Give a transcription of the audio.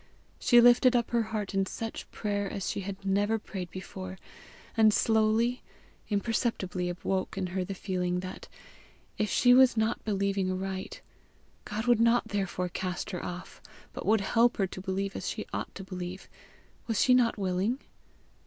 She lifted up her heart in such prayer as she had never prayed before; and slowly, imperceptibly awoke in her the feeling that, if she was not believing aright, God would not therefore cast her off, but would help her to believe as she ought to believe: was she not willing?